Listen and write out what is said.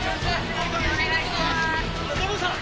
土門さん！